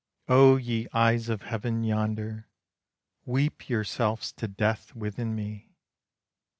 Oh ye eyes of heaven yonder, Weep yourselves to death within me!